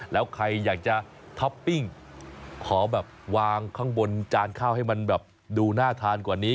แล้วใครอยากจะท็อปปิ้งขอแบบวางข้างบนจานข้าวให้มันแบบดูน่าทานกว่านี้